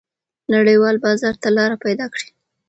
نړیوال بازار ته لار پیدا کړئ.